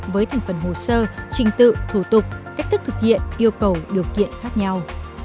với thành phần hồ sơ trình tự thủ tục cách thức thực hiện yêu cầu điều kiện khác nhau